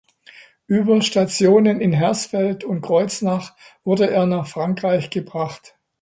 Über Stationen in Hersfeld und Kreuznach wurde er nach Frankreich gebracht.